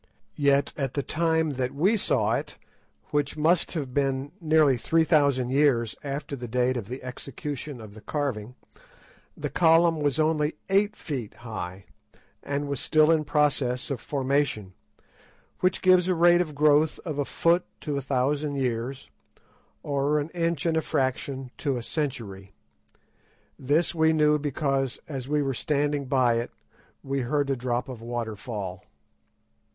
Yet at the time that we saw it, which must have been nearly three thousand years after the date of the execution of the carving, the column was only eight feet high, and was still in process of formation, which gives a rate of growth of a foot to a thousand years, or an inch and a fraction to a century. This we knew because, as we were standing by it, we heard a drop of water fall.